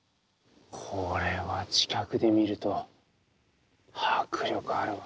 これは近くで見ると迫力あるわ。